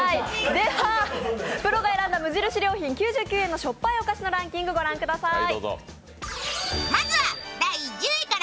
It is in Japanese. ではプロが選んだ無印良品の９９円お菓子のしょっぱいお菓子のランキングを御覧ください。